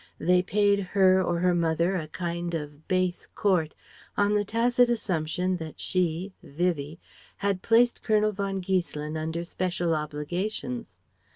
They paid her or her mother a kind of base court, on the tacit assumption that she Vivie had placed Colonel von Giesselin under special obligations.